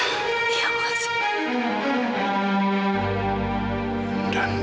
kamu sudah nampak sudahmeu nova nuju b kingdom